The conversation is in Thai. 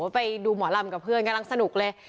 ไปดูหมอลำกับเพื่อนกำลังสนุกเลย